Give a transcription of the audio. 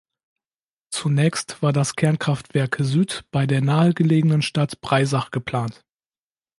Zunächst war das Kernkraftwerk Süd bei der nahe gelegenen Stadt Breisach geplant.